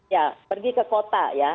ya pergi ke kota ya